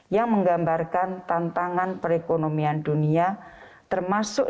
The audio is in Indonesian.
yang menggambarkan tantangan perekonomian dunia termasuk